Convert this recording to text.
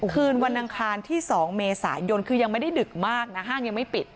คืนวันอังคารที่๒เมษายนคือยังไม่ได้ดึกมากนะห้างยังไม่ปิด